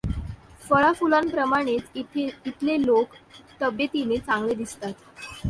फळा फुलांप्रमाणेच इथले लोक तब्येतीने चांगले दिसतात.